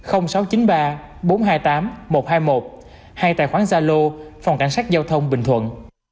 sáu trăm chín mươi ba bốn trăm hai mươi tám một trăm hai mươi một hay tài khoản gia lô phòng cảnh sát giao thông bình thuận